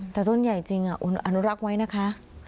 แต่ต้นใหญ่จริงอนุรักษ์ไว้นะคะ